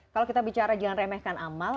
kalau kita bicara jangan remehkan amal